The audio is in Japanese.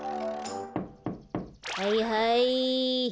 はいはい。